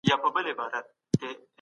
حکومت ترانزیتي لاره نه تړي.